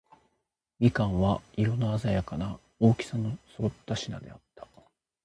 蜜柑は、色のあざやかな、大きさの揃った品であった。